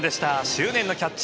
執念のキャッチ。